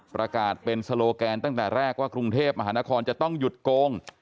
ประกาศเป็นโซโลแกนตั้งแต่แรกว่ากรุงเทพมหานครจะต้องหยุดโกง